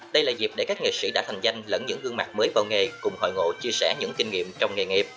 đây là dịp để các nghệ sĩ đã thành danh lẫn những gương mặt mới vào nghề cùng hội ngộ chia sẻ những kinh nghiệm trong nghề nghiệp